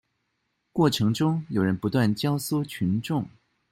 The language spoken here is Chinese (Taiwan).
過程中有人不斷教唆群眾